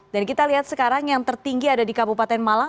dan kita lihat sekarang yang tertinggi ada di kabupaten malang